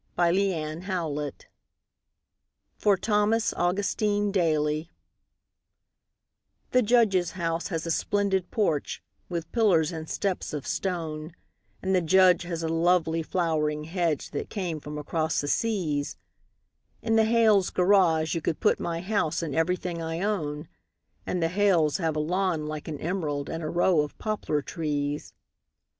The Snowman in the Yard (For Thomas Augustine Daly) The Judge's house has a splendid porch, with pillars and steps of stone, And the Judge has a lovely flowering hedge that came from across the seas; In the Hales' garage you could put my house and everything I own, And the Hales have a lawn like an emerald and a row of poplar trees.